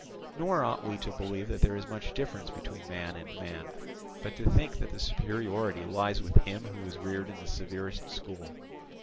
Nor ought we to believe that there is much difference between man and man, but to think that the superiority lies with him who is reared in the severest school.